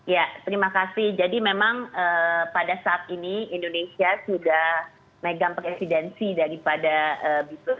ya terima kasih jadi memang pada saat ini indonesia sudah megang presidensi daripada b dua puluh